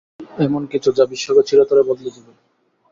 এমন কিছু যা বিশ্বকে চিরতরে বদলে দেবে।